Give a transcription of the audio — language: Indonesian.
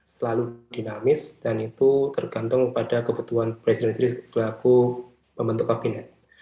selalu dinamis dan itu tergantung kepada kebutuhan presiden sendiri selaku membentuk kabinet